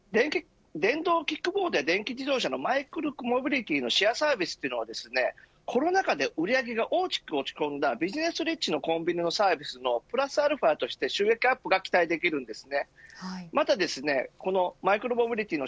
電動キックボードや電気自動車のマイクロモビリティのシェアサービスはコロナ禍で売り上げが大きく落ち込んだビジネス立地のコンビニサービスのプラスアルファとして収益アップが期待できます。